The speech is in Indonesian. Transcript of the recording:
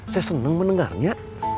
saya seneng mendengarnya